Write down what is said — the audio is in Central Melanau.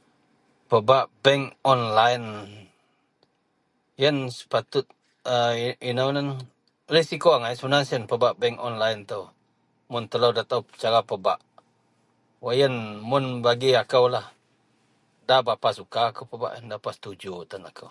. pebak bank online, yen sepatut ea inou ngadan resiko agai sebenarnya pebak bank online itou, mun telou datou cara pebak, wak yen mun bagi akoulah da berapa suka kou pebak ien da berapa setuju tan akou.